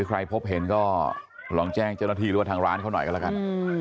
ใครพบเห็นก็ลองแจ้งเจ้าหน้าที่หรือว่าทางร้านเขาหน่อยกันแล้วกัน